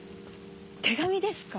手紙ですか？